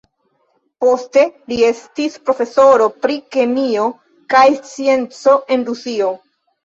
Poste li estis profesoro pri kemio kaj scienco en Rusio.